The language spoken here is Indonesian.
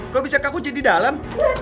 kok bisa kekunci di dalam